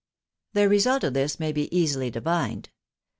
The result of this may be easily divined.